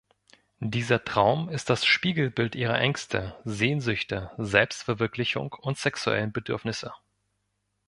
Dieser Traum ist das Spiegelbild ihrer Ängste, Sehnsüchte, Selbstverwirklichung und sexuellen Bedürfnisse.